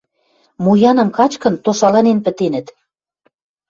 Муяным качкын, тошаланен пӹтенӹт.